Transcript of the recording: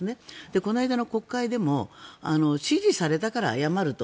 この間の国会でも指示されたから謝ると。